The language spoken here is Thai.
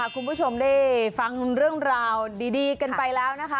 คุณผู้ชมได้ฟังเรื่องราวดีกันไปแล้วนะคะ